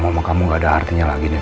ya allah kamu gak ada artinya lagi des